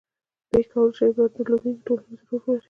• دې کولای شي عبرت درلودونکی ټولنیز رول ولري.